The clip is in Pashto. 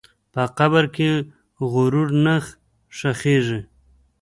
په قبر کې غرور نه ښخېږي.